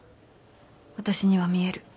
私には見える。